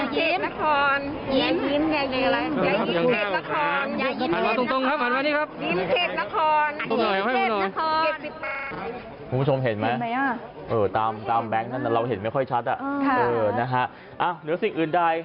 คุณผู้ชมเห็นไหมตามแบงค์นั้นเราเห็นไม่ค่อยชัดเหนือสิ่งอื่นใด